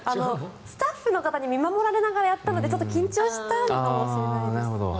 スタッフの方に見守られながらやったので緊張したのかもしれないです。